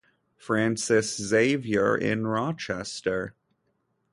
Francis Xavier in Rochester.